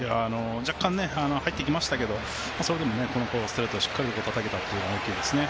若干入ってきましたけどそれでもストレートをしっかりたたけたというのは大きいですね。